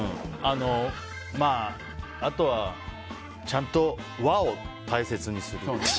あとは、ちゃんと和を大切にする。